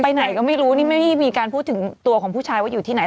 ไหนก็ไม่รู้นี่ไม่ได้มีการพูดถึงตัวของผู้ชายว่าอยู่ที่ไหน